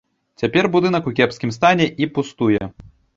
Цяпер будынак у кепскім стане і пустуе.